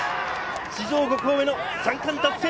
史上５校目の３冠達成！